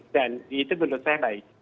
dan itu menurut saya baik